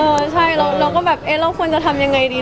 เออใช่เราก็แบบเราควรจะทำยังไงดี